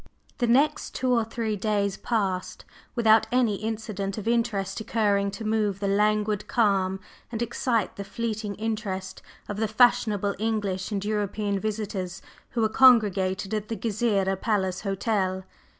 /The/ next two or three days passed without any incident of interest occurring to move the languid calm and excite the fleeting interest of the fashionable English and European visitors who were congregated at the Gezireh Palace Hotel.